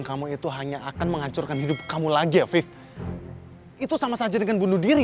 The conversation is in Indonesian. kamu itu hanya akan menghancurkan hidup kamu lagi ya vip itu sama saja dengan bunuh diri